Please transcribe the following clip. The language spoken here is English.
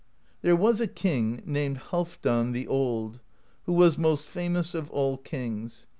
"There was a king named Halfdan the Old, who was most famous of all kings.